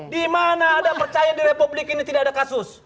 di mana ada percaya di republik ini tidak ada kasus